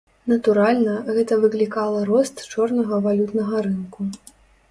Натуральна, гэта выклікала рост чорнага валютнага рынку.